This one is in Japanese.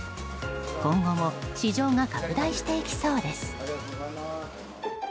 今後も、市場が拡大していきそうです。